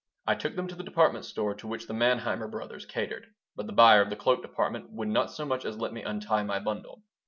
I took them to the department store to which the Manheimer Brothers catered, but the buyer of the cloak department would not so much as let me untie my bundle.